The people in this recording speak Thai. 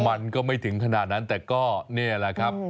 มันก็ไม่ถึงขนาดนั้นแต่ก็นี่แหละครับ